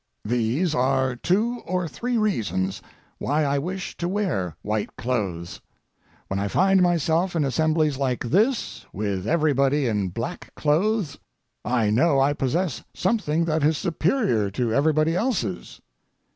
These are two or three reasons why I wish to wear white clothes: When I find myself in assemblies like this, with everybody in black clothes, I know I possess something that is superior to everybody else's.